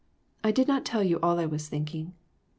I did not tell you all I was thinking.